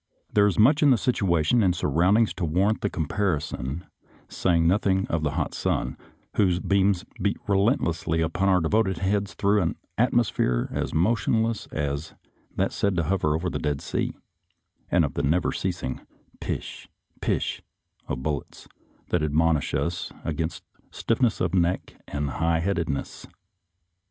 There is much in the situation and surroundings to warrant the comparison, saying nothing of the hot sun, whose beams beat re lentlessly upon our devoted heads through an atmosphere as motionless as that said to hover over the Dead Sea, and of the never ceasing " pish," " pish," of bullets, that admonish us against stiffness of neck and high headedness.